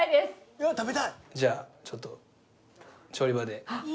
じゃあちょっと調理場で。